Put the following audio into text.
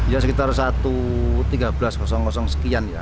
ya sekitar satu tiga belas sekian ya